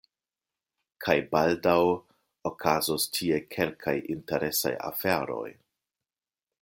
Kaj baldaŭ okazos tie kelkaj interesaj aferoj.